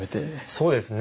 そうですね